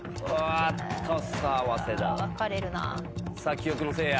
記憶のせいや。